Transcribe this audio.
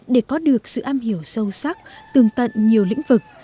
để có được sự am hiểu sâu sắc tường tận nhiều lĩnh vực